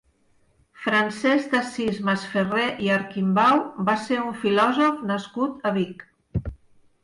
Francesc d'Assís Masferrer i Arquimbau va ser un filòsof nascut a Vic.